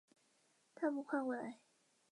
他职业生涯里大多数时间是在南美洲度过。